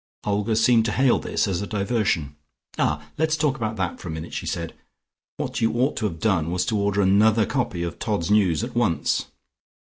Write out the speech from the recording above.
Olga seemed to hail this as a diversion. "Ah, let's talk about that for a minute," she said. "What you ought to have done was to order another copy of 'Todd's News' at once."